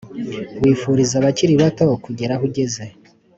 wifurize abakiri bato kugera aho ugeze